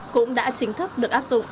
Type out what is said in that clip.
cũng đã chính thức được áp dụng